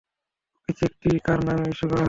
ওকে, চেকটি কার নামে ইস্যু করা হয়েছে?